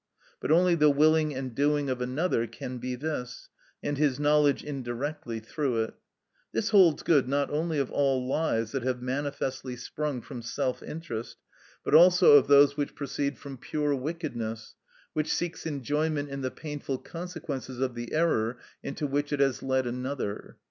But only the willing and doing of another can be this, and his knowledge indirectly through it. This holds good not only of all lies that have manifestly sprung from self interest, but also of those which proceed from pure wickedness, which seeks enjoyment in the painful consequences of the error into which it has led another.